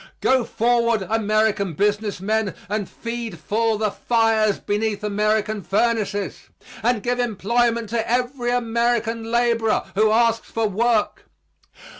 Go forward, American business men, and feed full the fires beneath American furnaces; and give employment to every American laborer who asks for work.